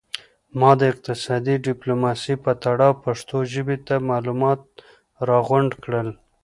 ما د اقتصادي ډیپلوماسي په تړاو پښتو ژبې ته معلومات را غونډ کړل